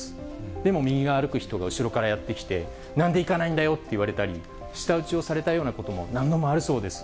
でも右側を歩く人が後ろからやってきて、なんで行かないんだよって言われたり、舌打ちをされたようなことも何度もあるそうです。